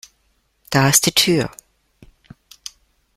Da ist die Tür!